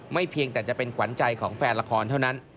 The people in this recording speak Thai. เพียงแต่จะเป็นขวัญใจของแฟนละครเท่านั้น